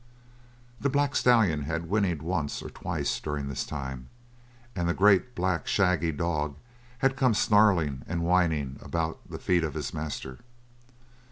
The black stallion had whinnied once or twice during this time and the great black, shaggy dog had come snarling and whining about the feet of his master.